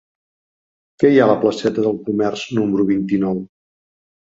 Què hi ha a la placeta del Comerç número vint-i-nou?